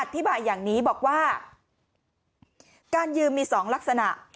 อธิบายอย่างนี้บอกว่าการยืมมี๒ลักษณะ